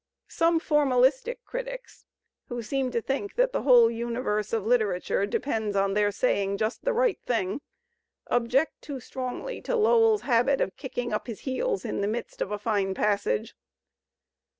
Some formalistic critics, who seem to think that the whole universe of literature depends on their saying just the right thing, object too strongly to LoweU's habit of kicking up his heels in the midst of a fine passage.